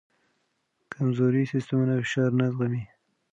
کمزوري سیستمونه فشار نه زغمي.